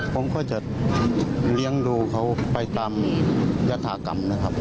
ผมก็จะเลี้ยงดูเขาไปตามยธากรรมนะครับ